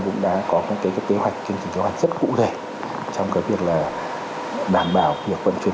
cũng đã có các cái kế hoạch kinh tế kế hoạch rất cụ thể trong cái việc là đảm bảo việc vận chuyển